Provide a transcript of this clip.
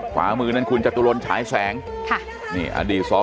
ขวามือนั่นคุณจตุรนฉายแสงอดีตสอชะเชิงเศร้า